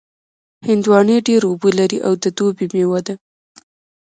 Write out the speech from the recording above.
هندوانې ډېر اوبه لري او د دوبي مېوه ده.